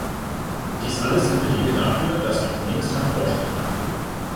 Dies alles sind Belege dafür, dass Turkmenistan Fortschritte macht.